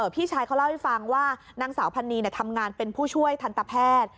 พี่ชายเขาเล่าให้ฟังว่านางสาวพันนีทำงานเป็นผู้ช่วยทันตแพทย์